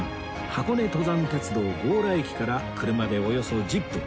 箱根登山鉄道強羅駅から車でおよそ１０分